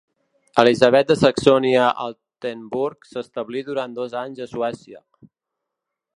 Elisabet de Saxònia-Altenburg s'establí durant dos anys a Suècia.